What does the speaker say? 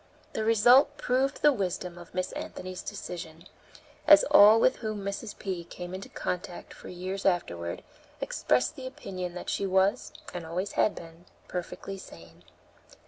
The result proved the wisdom of Miss Anthony's decision, as all with whom Mrs. P. came in contact for years afterward, expressed the opinion that she was, and always had been, perfectly sane.